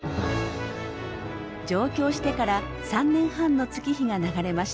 上京してから３年半の月日が流れました。